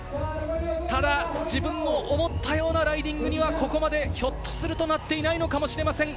ただ、自分の思ったようなライディングにはここまで、ひょっとするとなっていないのかもしれません。